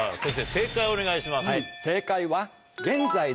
正解をお願いします。